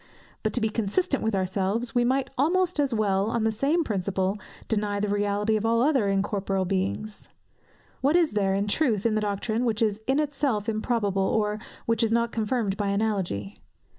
But to be consistent with ourselves, we might almost as well, on the same principle, deny the reality of all other incorporeal beings. What is there, in truth, in the doctrine, which is in itself improbable, or which is not confirmed by analogy?